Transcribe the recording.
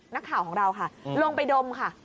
นักข่าวของเราค่ะลงไปดมค่ะ